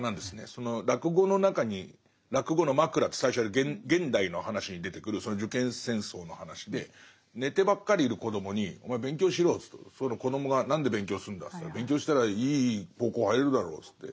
その落語の中に落語のマクラって最初現代の話に出てくる受験戦争の話で寝てばっかりいる子供に「お前勉強しろよ」と言うとその子供が「何で勉強するんだ」と言ったら「勉強したらいい高校入れるだろ」って。